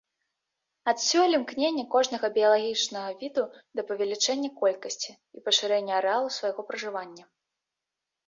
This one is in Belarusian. Адсюль імкненне кожнага біялагічнага віду да павелічэння колькасці і пашырэння арэалу свайго пражывання.